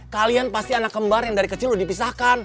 kalian pasti anak kembar yang dari kecil udah dipisahkan